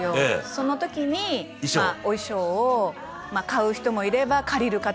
「その時にお衣装を買う人もいれば借りる方もいれば」